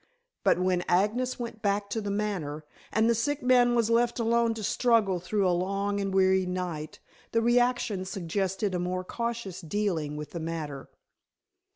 But when Agnes went back to The Manor, and the sick man was left alone to struggle through a long and weary night, the reaction suggested a more cautious dealing with the matter.